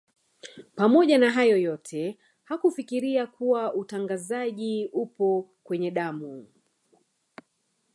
Pamoja na hayo yote hakufikiria kuwa utangazaji upo kwenye damu